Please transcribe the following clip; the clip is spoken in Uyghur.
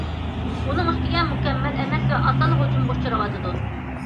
ئۇنىڭ ئۈستىگە مۇكەممەل ئەمەس ۋە ئاسانلا ھۇجۇمغا ئۇچراۋاتىدۇ.